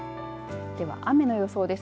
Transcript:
では雨の予想です。